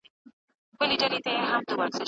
الله پاک د ټول عالم واکمن دی.